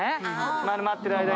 丸まってる間に。